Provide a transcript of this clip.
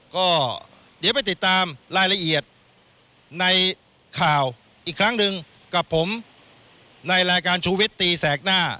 ก็เดี๋ยวไปติดตามรายละเอียดในข่าวอีกครั้งหนึ่งกับผมในรายการชูวิตตีแสกหน้า